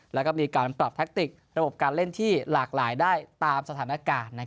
แล้วก็มีการปรับแท็กติกระบบการเล่นที่หลากหลายได้ตามสถานการณ์